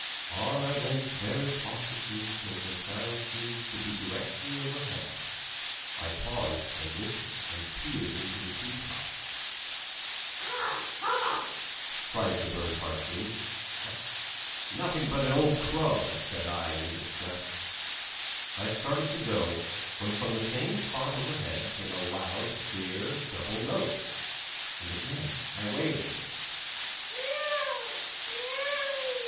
On I went very cautiously till the sound seemed to be directly overhead. I paused and listened and peered into the tree tops. "Caw caw!" cried the bird harshly. "Nothing but an old crow," said I in disgust. I started to go, when from the same spot overhead came a loud, clear double note, and again I waited.